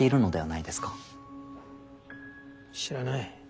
知らない。